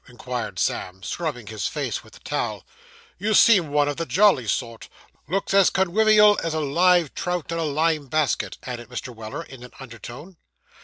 inquired Sam, scrubbing his face with the towel. 'You seem one of the jolly sort looks as conwivial as a live trout in a lime basket,' added Mr. Weller, in an undertone.